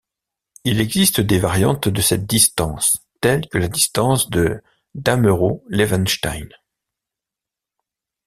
Il existe des variantes de cette distance, telles que la distance de Damerau-Levenshtein.